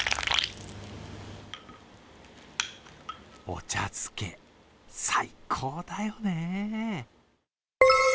お茶漬け、最高だよね。